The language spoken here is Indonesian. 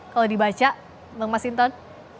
kalau dibaca bang masinton